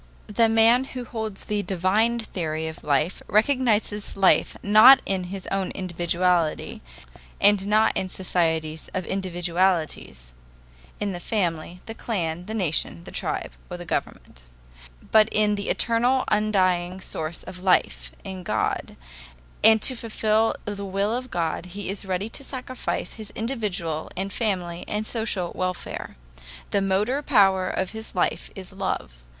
] The man who holds the divine theory of life recognizes life not in his own individuality, and not in societies of individualities (in the family, the clan, the nation, the tribe, or the government), but in the eternal undying source of life in God; and to fulfill the will of God he is ready to sacrifice his individual and family and social welfare. The motor power of his life is love.